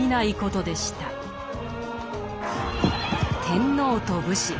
天皇と武士。